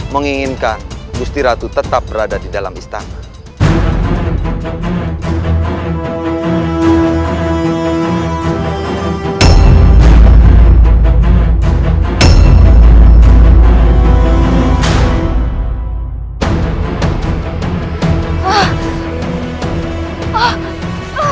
menginginkan gusti ratu tetap berada di dalam istana